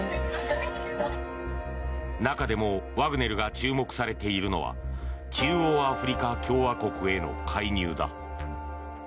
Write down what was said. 中でもワグネルが注目されているのは中央アフリカ共和国への介入だ。